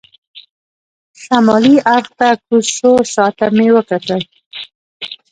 شمالي اړخ ته کوز شو، شا ته مې وکتل.